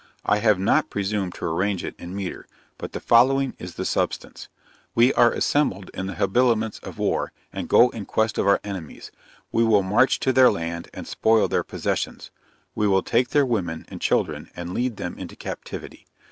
I have not presumed to arrange it in metre; but the following is the substance: "We are assembled in the habiliments of war, and will go in quest of our enemies. We will march to their land and spoil their possessions. We will take their women and children, and lead them into captivity.